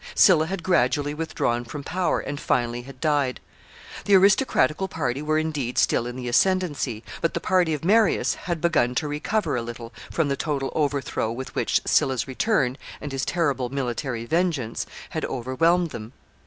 Sylla had gradually withdrawn from power, and finally had died. The aristocratical party were indeed still in the ascendency, but the party of Marius had begun to recover a little from the total overthrow with which Sylla's return, and his terrible military vengeance, had overwhelmed them.